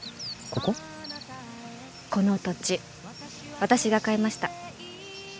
この土地私が買いました。